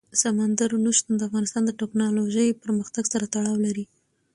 سمندر نه شتون د افغانستان د تکنالوژۍ پرمختګ سره تړاو لري.